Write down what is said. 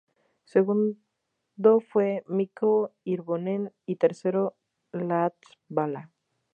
Segundo fue Mikko Hirvonen y tercero Latvala.